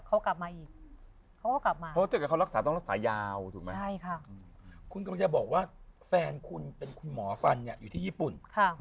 คุณกำลังจะบอกว่าแฟนคุณเป็นคุณหมอฟันอยู่ที่ญี่ปุ่น